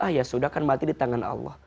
ah ya sudah kan mati di tangan allah